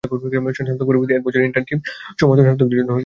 স্নাতক পরবর্তী এক বছরের ইন্টার্নশিপ সমস্ত স্নাতকদের জন্য বাধ্যতামূলক।